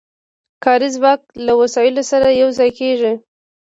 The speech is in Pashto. کاري ځواک له وسایلو سره یو ځای کېږي